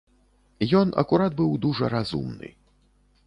Ён акурат быў дужа разумны.